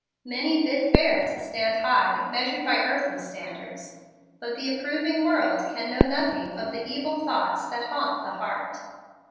Many bid fair to stand high, measured by earthly standards. But the approving world can know nothing of the evil thoughts that haunt the heart.